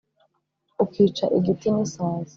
Ukica igiti n'isazi